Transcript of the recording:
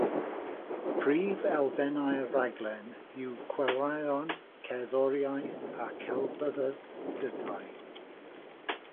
Prif elfennau'r rhaglen yw chwaraeon, cerddoriaeth a'r Celfyddydau.